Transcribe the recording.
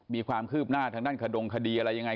มีความคืบหน้าทางด้านขดงคดีอะไรยังไง